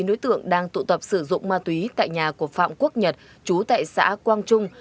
một mươi chín nối tượng đang tụ tập sử dụng ma túy tại nhà của phạm quốc nhật chú tại xã quang trung